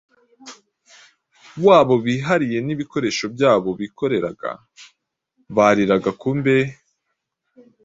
wabo bihariye n’ibikoresho byabo bikoreraga. Bariraga ku mbehe